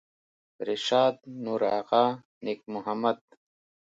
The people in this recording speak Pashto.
رشاد نورآغا نیک محمد